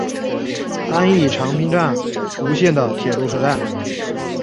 安艺长滨站吴线的铁路车站。